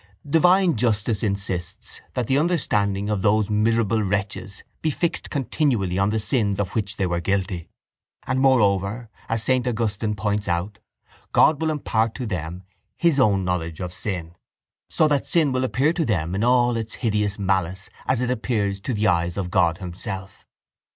Divine justice insists that the understanding of those miserable wretches be fixed continually on the sins of which they were guilty, and moreover, as saint Augustine points out, God will impart to them His own knowledge of sin, so that sin will appear to them in all its hideous malice as it appears to the eyes of God Himself.